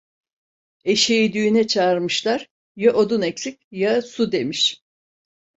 Eşeği düğüne çağırmışlar, ya odun eksik, ya su demiş.